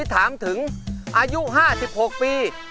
ถามถึงอายุ๕๖ปี